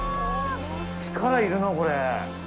力、要るなぁ、これ！